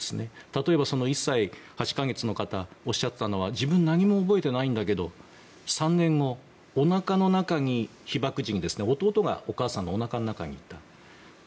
例えば１歳８か月の方おっしゃってたのは自分、何も覚えていないんだけど３年後被爆時に弟がお母さんのおなかの中にいた。